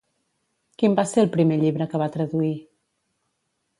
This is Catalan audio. Quin va ser el primer llibre que va traduir?